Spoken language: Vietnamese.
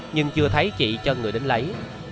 nhưng chưa thấy chị cho người đến lấy